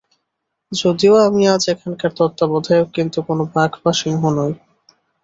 যদিও আমি আজ এখানকার তত্ত্বাবধায়ক, কিন্তু কোন বাঘ বা সিংহ নই।